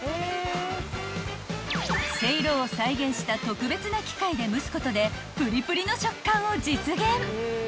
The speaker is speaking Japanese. ［せいろを再現した特別な機械で蒸すことでプリプリの食感を実現］